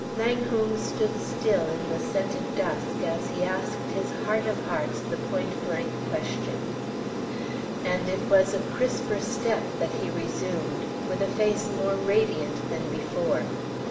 Langholm stood still in the scented dusk as he asked his heart of hearts the point blank question. And it was a crisper step that he resumed, with a face more radiant than before.